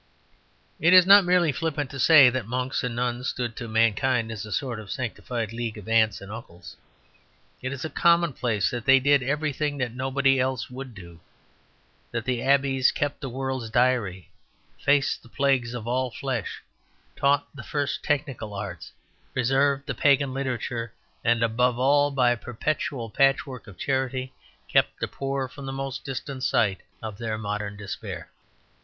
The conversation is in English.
It is not merely flippant to say that monks and nuns stood to mankind as a sort of sanctified league of aunts and uncles. It is a commonplace that they did everything that nobody else would do; that the abbeys kept the world's diary, faced the plagues of all flesh, taught the first technical arts, preserved the pagan literature, and above all, by a perpetual patchwork of charity, kept the poor from the most distant sight of their modern despair.